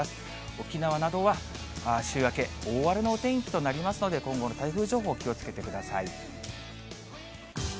沖縄などは週明け、大荒れのお天気となりますので、今後の台風情報、気をつけてください。